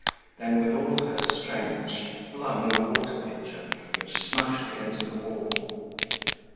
Then, with all her strength, she flung a water pitcher, which smashed against the wall.